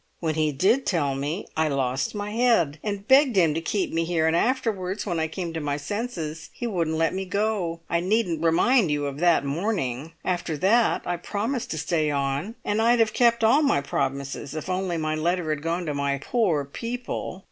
When he did tell me I lost my head, and begged him to keep me here, and afterwards when I came to my senses he wouldn't let me go. I needn't remind you of that morning! After that I promised to stay on, and I'd have kept all my promises if only my letter had gone to my poor people!"